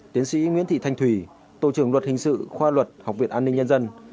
tiến sĩ nguyễn thị thanh thủy tổ trưởng luật hình sự khoa luật học viện an ninh nhân dân